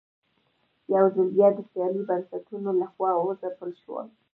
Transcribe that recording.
یوځل بیا د سیاسي بنسټونو له خوا وځپل شول.